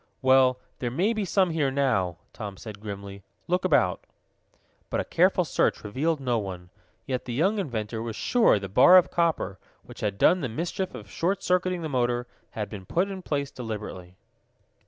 "Well, there may be some here now," Tom said grimly. "Look about." But a careful search revealed no one. Yet the young inventor was sure the bar of copper, which had done the mischief of short circuiting the motor, had been put in place deliberately.